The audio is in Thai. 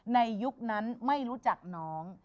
ในยุคนั้นไม่รู้จักน้อง